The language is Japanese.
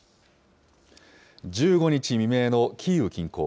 １５日未明のキーウ近郊。